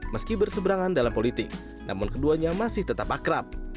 meski berseberangan dalam politik namun keduanya masih tetap akrab